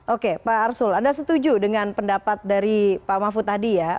oke pak arsul anda setuju dengan pendapat dari pak mahfud tadi ya